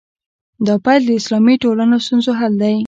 دا پیل د اسلامي ټولنو ستونزو حل دی.